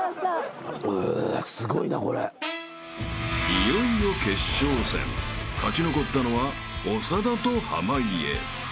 ［いよいよ決勝戦勝ち残ったのは長田と濱家］